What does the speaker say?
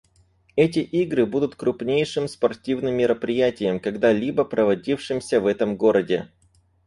Эти игры будут крупнейшим спортивным мероприятием, когда-либо проводившимся в этом городе.